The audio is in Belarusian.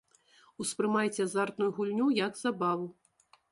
Успрымайце азартную гульню як забаву.